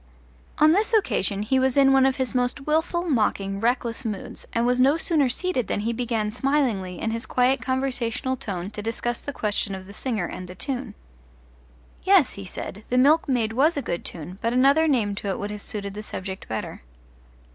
On this occasion he was in one of his most wilful, mocking, reckless moods, and was no sooner seated than he began smilingly, in his quiet conversational tone, to discuss the question of the singer and the tune. Yes, he said, the Milkmaid was a good tune, but another name to it would have suited the subject better.